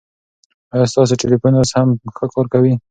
ایا ستاسو ټلېفون اوس هم ښه کار کوي؟